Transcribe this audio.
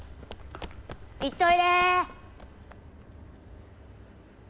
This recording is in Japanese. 行っといれ。